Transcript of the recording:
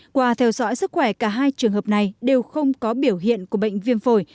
qua theo dõi sức khỏe cả hai trường hợp này đều không có biểu hiện của bệnh viêm phổi